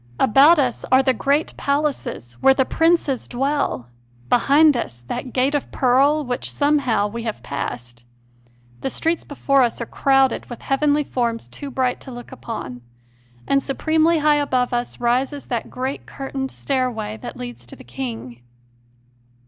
About us are the great palaces, where the princes dwell; behind us that gate of pearl which, somehow, we have passed; the streets before us are crowded with heavenly forms too bright to look upon; and supremely high above us rises that great curtained stair way that leads to the King.